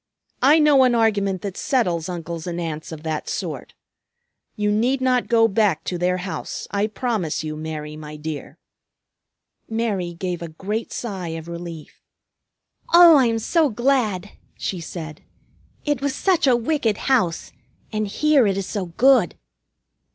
I know an argument that settles uncles and aunts of that sort. You need not go back to their house, I promise you, Mary, my dear." Mary gave a great sigh of relief. "Oh, I am so glad!" she said. "It was such a wicked house. And here it is so good!"